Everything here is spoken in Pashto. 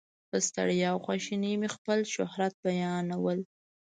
په ستړیا او خواشینۍ مې خپل شهرت بیانول.